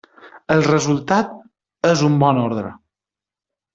El resultat és un bon ordre.